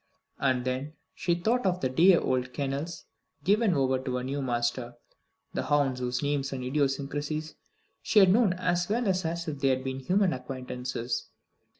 And then she thought of the dear old kennels given over to a new master; the hounds whose names and idiosyncrasies she had known as well as if they had been human acquaintances.